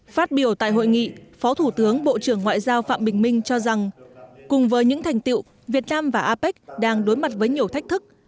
phát biểu tại hội nghị phó thủ tướng bộ trưởng ngoại giao phạm bình minh cho rằng cùng với những thành tiệu việt nam và apec đang đối mặt với nhiều thách thức